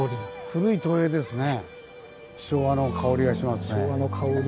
古い都営ですね。